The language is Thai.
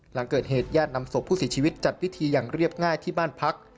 หลังเกิดเหตุญาตินำศพผู้เสียชีวิตจัดพิธีอย่างเรียบง่ายที่บ้านพัก